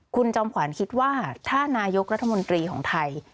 คุณจอมขวัญคิดว่าถ้านายกรัฐมนตรีของไทย